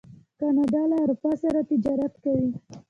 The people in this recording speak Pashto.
کاناډا له اروپا سره تجارت کوي.